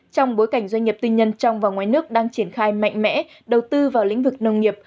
trong bối cảnh doanh nghiệp tư nhân trong và ngoài nước đang triển khai mạnh mẽ đầu tư vào lĩnh vực nông nghiệp